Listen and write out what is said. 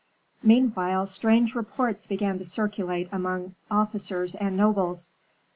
Meanwhile strange reports began to circulate among officers and nobles.